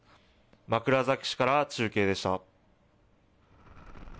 枕崎市から中継でした。